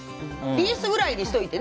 リースぐらいにしといて。